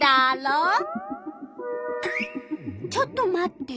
ちょっと待って！